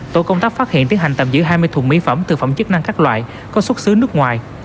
tổ công tác phát hiện tiến hành tạm giữ hai mươi thùng mỹ phẩm thực phẩm chức năng các loại có xuất xứ nước ngoài